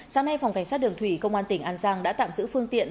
sáng nay phòng cảnh sát đường thủy công an tỉnh an giang đã tạm giữ phương tiện